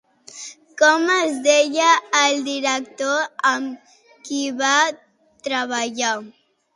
Com es deia el director amb qui va treballar?